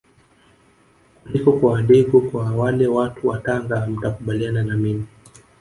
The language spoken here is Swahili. kuliko kwa wadigo kwa wale watu wa Tanga mtakubaliana na mimi